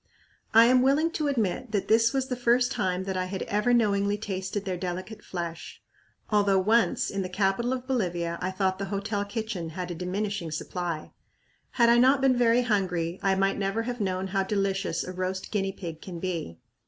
I am willing to admit that this was the first time that I had ever knowingly tasted their delicate flesh, although once in the capital of Bolivia I thought the hotel kitchen had a diminishing supply! Had I not been very hungry, I might never have known how delicious a roast guinea pig can be.